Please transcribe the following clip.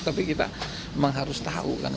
tapi kita memang harus tahu lah